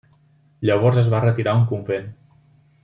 Llavors es va retirar a un convent.